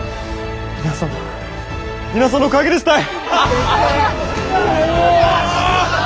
皆さんの皆さんのおかげですたい！